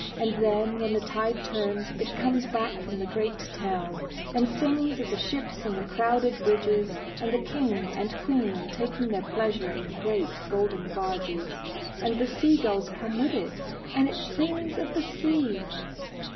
And then, when the tide turns, it comes back from the great town, and sings of the ships and the crowded bridges, and the King and Queen taking their pleasure in great, golden barges. And the sea gulls come with it, and it sings of the sea!"